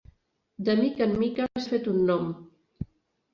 De mica en mica s'ha fet un nom.